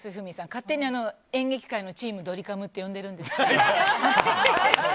勝手に演劇界のチームドリカムって勝手すぎます。